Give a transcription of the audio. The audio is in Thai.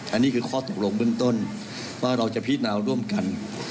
อันนี้คือข้อตกลงเบื้องต้นว่าเราจะพินาวร่วมกัน